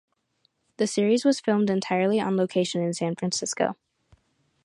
The series was filmed entirely on location in San Francisco.